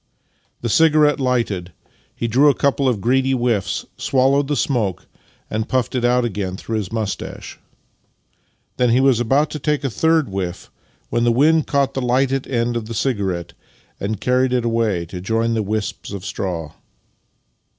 The cigarette lighted, he drew a couple of greedy whiffs, swallowed the smoke, and puffed it out again through his moustache. Then he was about to take a third whiff, when the wind caught the lighted end of the cigarette and carried it away to join the wisps of straw